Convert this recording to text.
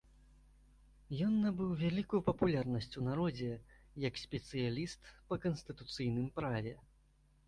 Ён набыў вялікую папулярнасць у народзе, як спецыяліст па канстытуцыйным праве.